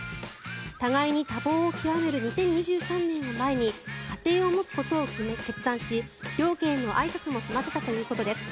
互いに多忙を極める２０２３年を前に家庭を持つことを決断し両家へのあいさつも済ませたということです。